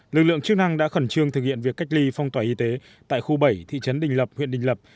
lực lượng chức năng đã khẩn trương thực hiện việc cách ly phong tỏa y tế tại khu bảy thị trấn đình lập huyện đình lập